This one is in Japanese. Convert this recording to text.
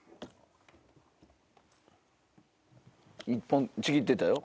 １本ちぎってたよ。